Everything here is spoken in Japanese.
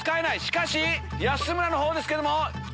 しかし安村の方ですけども。